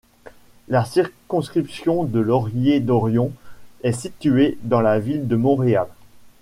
La circonscription de Laurier-Dorion est située dans la ville de Montréal.